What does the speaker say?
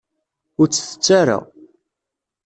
Ur tt-tett ara.